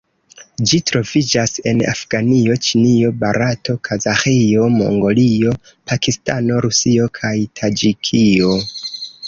Ĝi troviĝas en Afganio, Ĉinio, Barato, Kazaĥio, Mongolio, Pakistano, Rusio kaj Taĝikio.